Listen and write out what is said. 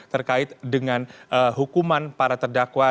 terkait dengan hukuman para terdakwa